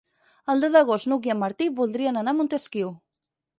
El deu d'agost n'Hug i en Martí voldrien anar a Montesquiu.